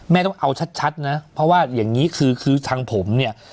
ต้องเอาชัดนะเพราะว่าอย่างนี้คือคือทางผมเนี่ย